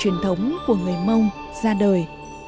truyền thống của người mông ra đời